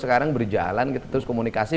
sekarang berjalan terus komunikasi